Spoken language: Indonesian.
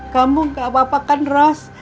kamu gak apa apakan ros